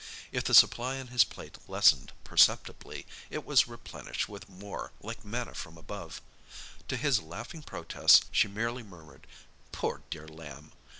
If the supply on his plate lessened perceptibly, it was replenished with more, like manna from above. To his laughing protests she merely murmured, "Poor dear lamb!"